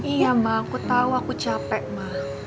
iya ma aku tahu aku capek ma